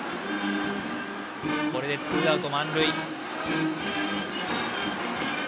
これでツーアウト満塁。